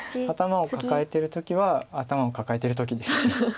頭を抱えてる時は頭を抱えてる時です。